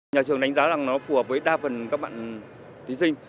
nhà trường đánh giá là nó phù hợp với đa phần các bạn thí sinh